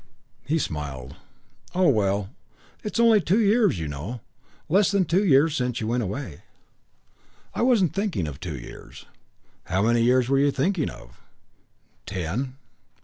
He smiled. "Oh, well, it's only two years, you know less than two years since you went away." "I wasn't thinking of two years." "How many years were you thinking of?" "Ten."